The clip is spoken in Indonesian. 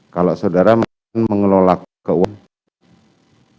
kalau saudara mengelola keuangan